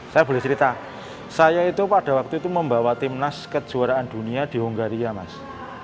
saya boleh cerita saya itu pada waktu itu membawa timnas kejuaraan dunia di hungaria mas